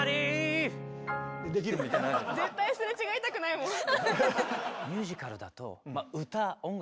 絶対すれ違いたくないもん。